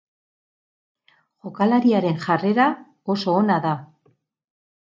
Jokalariaren jarrera oso ona da.